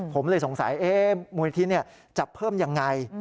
ผมเลยสงสัยมูลนิธิจะเพิ่มยังไง